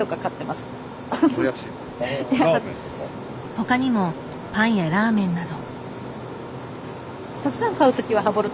ほかにもパンやラーメンなど。